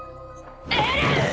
エレン！！